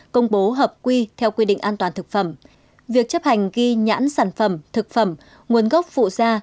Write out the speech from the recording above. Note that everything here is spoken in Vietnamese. công bố hợp quy theo quy định an toàn thực phẩm việc chấp hành ghi nhãn sản phẩm thực phẩm nguồn gốc phụ da